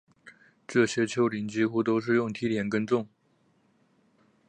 这些丘陵几乎都是用梯田耕种